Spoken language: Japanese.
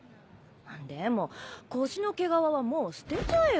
でも腰の毛皮はもう捨てちゃえよ。